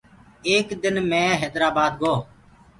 ايڪ دن مي هيدرآبآد گو۔